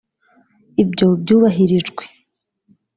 Ibyo byubahirijwe